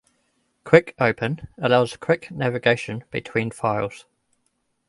"Quick Open" allows quick navigation between files.